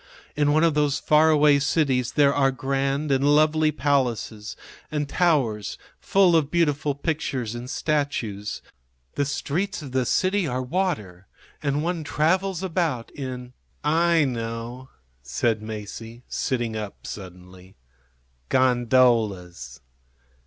In one of those far away cities there are grand and lovely palaces and towers full of beautiful pictures and statues. The streets of the city are water, and one travels about in " "I know," said Masie, sitting up suddenly. "Gondolas."